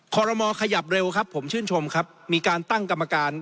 ขอรมอขยับเร็วครับผมชื่นชมครับมีการตั้งกรรมการ